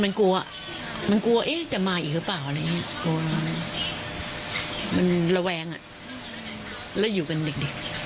มันกลัวจะมาอีกหรือเปล่ามันแรงแล้วอยู่กันเด็ก